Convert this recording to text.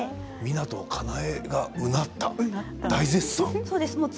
湊かなえがうなった大絶賛。